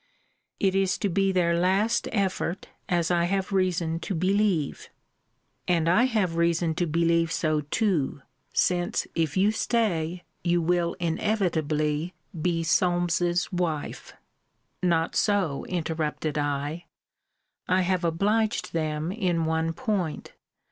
It is to be their last effort, as I have reason to believe And I have reason to believe so too since if you stay, you will inevitably be Solmes's wife. Not so, interrupted I I have obliged them in one point.